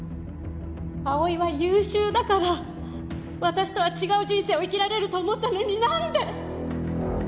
葵は優秀だから私とは違う人生を生きられると思ったのになんで！？